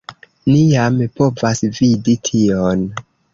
Ni jam povas vidi tion.